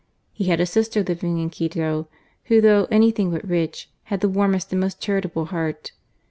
He had a sister living in Quito, who though anything but rich, had the warmest and most charitable heart.